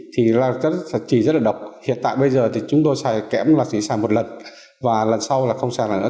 thì chì rất là độc hiện tại bây giờ thì chúng tôi sử dụng kẽm là chỉ sử dụng một lần và lần sau là không sử dụng lần nữa